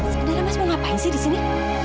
sebenarnya mas mau ngapain sih disini